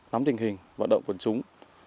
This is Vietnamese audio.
nắm tình hình vận động quần chúng